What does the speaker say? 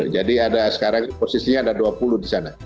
jadi ada sekarang posisinya ada dua puluh di sana